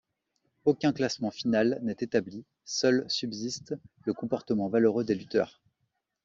Aucun classement final n’est établi, seul subsiste le comportement valeureux des lutteurs.